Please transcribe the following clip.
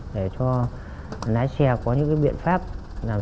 để không bỏ lỡ những video hấp dẫn